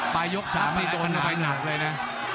ไปยก๓นี่โดนหลายหนักเลยนะ